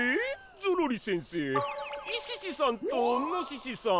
ゾロリせんせイシシさんとノシシさん